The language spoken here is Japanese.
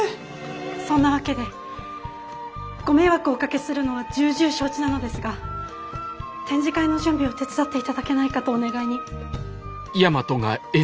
そんなわけでご迷惑をおかけするのは重々承知なのですが展示会の準備を手伝って頂けないかとお願いに。